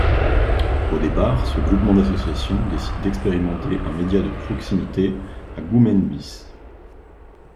Au départ, ce groupement d’associations décide d’expérimenter un média de proximité à Goumen Bis.